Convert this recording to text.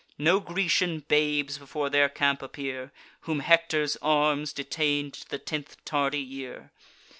No Grecian babes before their camp appear, Whom Hector's arms detain'd to the tenth tardy year.